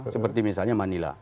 seperti misalnya manila